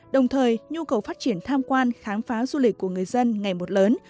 đồng thời nhu cầu phát triển tham quan khám phá du lịch của người dân ngày một lớn